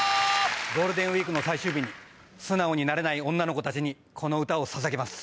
ゴールデンウイークの最終日に素直になれない女の子たちにこの歌をささげます。